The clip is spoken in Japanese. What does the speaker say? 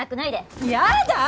やだ！